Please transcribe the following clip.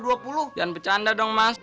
jangan bercanda dong mas